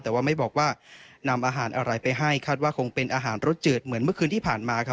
แต่ว่าไม่บอกว่านำอาหารอะไรไปให้คาดว่าคงเป็นอาหารรสจืดเหมือนเมื่อคืนที่ผ่านมาครับ